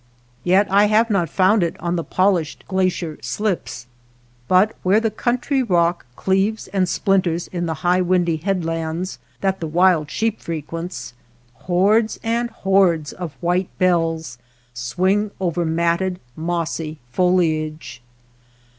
Yet I have not found it on the polished glacier slips, but where the country rock cleaves and splinters in the high windy headlands that the wild sheep frequents, hordes and hordes of the 209 WATER BORDERS white bells swing over matted, mossy foli age.